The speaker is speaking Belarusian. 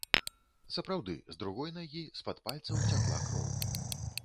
Сапраўды, з другой нагі, з-пад пальцаў, цякла кроў.